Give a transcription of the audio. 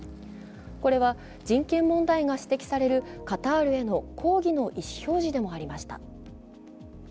これは人権問題が指摘されるカタールへの抗議の意思表示でもありました。